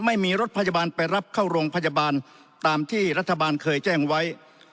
ไม่มีรถพยาบาลไปรับเข้าโรงพยาบาลตามที่รัฐบาลเคยแจ้งไว้